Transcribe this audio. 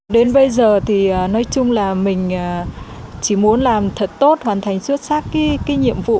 đến bây giờ thì nói chung là mình chỉ muốn làm thật tốt hoàn thành xuất sắc cái nhiệm vụ